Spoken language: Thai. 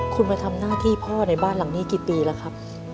คุณมาทำหน้าที่พ่อในบ้านหลังนี้กี่ปีแล้วครับ